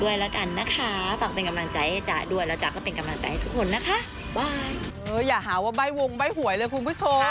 อย่าหาว่าใบ้วงใบ้ปุ๋ยเลยคุณผู้ชม